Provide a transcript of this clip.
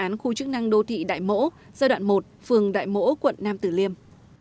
dự án khu chức năng đô thị đại mỗ giai đoạn một phường đại mỗ quận nam tử liêm